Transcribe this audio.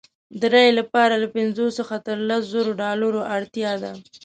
د رایې لپاره له پنځو څخه تر لسو زرو ډالرو اړتیا ده.